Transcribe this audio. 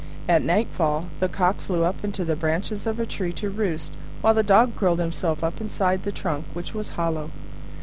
At nightfall the Cock flew up into the branches of a tree to roost, while the Dog curled himself up inside the trunk, which was hollow.